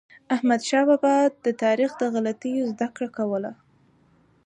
احمدشاه بابا به د تاریخ له غلطیو زدهکړه کوله.